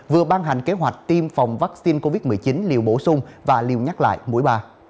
vừa ban hành kế hoạch tiêm phòng vaccine covid một mươi chín liều bổ sung và liều nhắc lại mũi ba